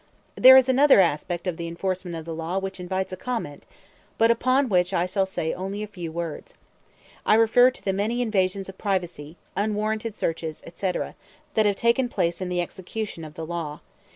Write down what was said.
There is another aspect of the enforcement of the law which invites comment, but upon which I shall say only a few words. I refer to the many invasions of privacy, unwarranted searches, etc., that have taken place in the execution of the law.